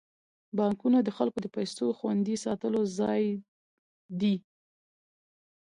بانکونه د خلکو د پيسو خوندي ساتلو ځای دی.